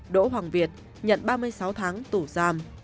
đỗ hoàng việt nhận ba mươi sáu tháng tù giam